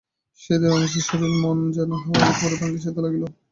সেদিন রমেশের শরীর মন যেন হাওয়ার উপরে ভাসিতে লাগিল।